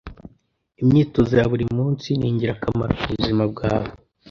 Imyitozo ya buri munsi ningirakamaro kubuzima bwawe.